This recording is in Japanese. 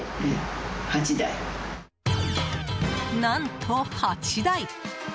何と８台！